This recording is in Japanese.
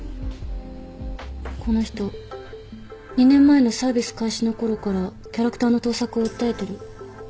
この人２年前のサービス開始のころからキャラクターの盗作を訴えてる。